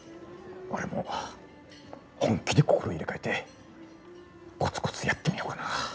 俺も本気で心入れ替えてコツコツやってみようかな。